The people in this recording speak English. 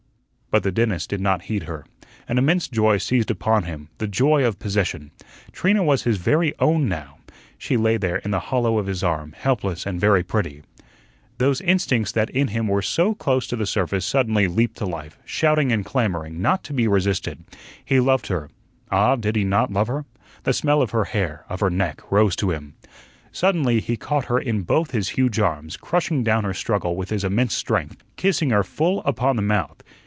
But the dentist did not heed her. An immense joy seized upon him the joy of possession. Trina was his very own now. She lay there in the hollow of his arm, helpless and very pretty. Those instincts that in him were so close to the surface suddenly leaped to life, shouting and clamoring, not to be resisted. He loved her. Ah, did he not love her? The smell of her hair, of her neck, rose to him. Suddenly he caught her in both his huge arms, crushing down her struggle with his immense strength, kissing her full upon the mouth.